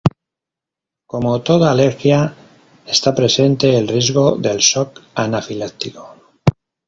Como toda alergia, está presente el riesgo del shock anafiláctico.